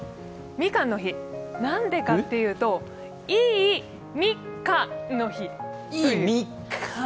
みかんの日、何でかというと、いいみかんの日。